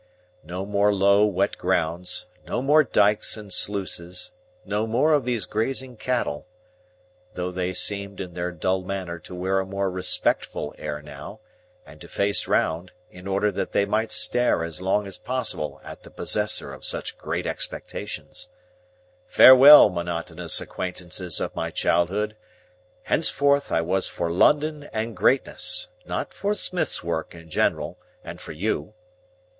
No more low, wet grounds, no more dikes and sluices, no more of these grazing cattle,—though they seemed, in their dull manner, to wear a more respectful air now, and to face round, in order that they might stare as long as possible at the possessor of such great expectations,—farewell, monotonous acquaintances of my childhood, henceforth I was for London and greatness; not for smith's work in general, and for you!